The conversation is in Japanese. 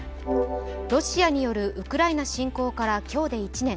ロシアによるウクライナ侵攻から今日で１年。